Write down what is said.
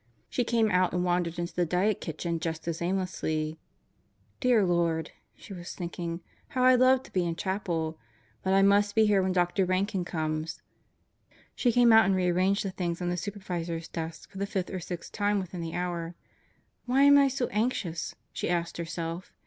She came out and wandered into the diet kitchen just as aimlessly. Dear Lord, she was thinking, how I'd love to be in Chapel. But I must be here when Doctor Rankin comes. She came out and rearranged the things on the supervisor's desk for the fifth or sixth time within the hour. "Why am I so anxious?" she asked herself.